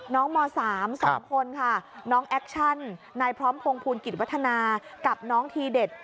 ม๓๒คนค่ะน้องแอคชั่นนายพร้อมพงภูลกิจวัฒนากับน้องทีเด็ด